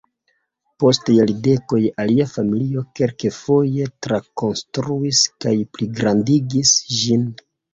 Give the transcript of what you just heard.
Post jardekoj alia familio kelkfoje trakonstruis kaj pligrandigis ĝin.